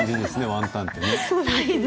ワンタンって。